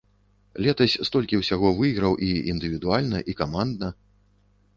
Летась столькі ўсяго выйграў і індывідуальна, і камандна.